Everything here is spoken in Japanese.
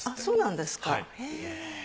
そうなんですかへぇ。